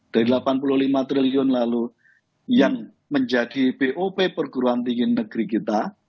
dari delapan puluh lima triliun lalu yang menjadi bop perguruan tinggi negeri kita